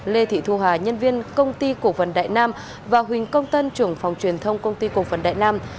lê thị thu hà nhân viên công ty cổ phần đại nam và huỳnh công tân trưởng phòng truyền thông công ty cổ phần đại nam